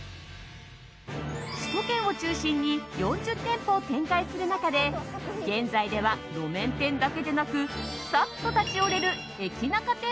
首都圏を中心に４０店舗を展開する中で現在では路面店だけでなくさっと立ち寄れる駅ナカ